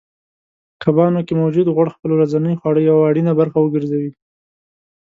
کبانو کې موجود غوړ خپل ورځنۍ خواړه یوه اړینه برخه وګرځوئ